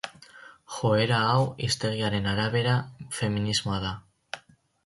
Joera hau; hiztegiaren arabera, feminismoa da.